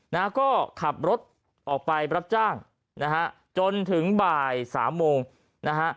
นะฮะก็ขับรถออกไปรับจ้างนะฮะจนถึงบ่ายสามโมงนะฮะ